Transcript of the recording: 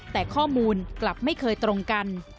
แต่ข้อมูลกลับไม่เคยตรงกัน